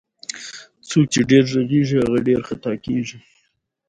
تودوخه د افغانستان د جغرافیوي تنوع مثال دی.